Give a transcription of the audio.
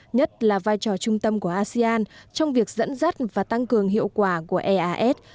nhất là vai trò trung tâm của asean trong việc dẫn dắt và tăng cường hiệu quả của eas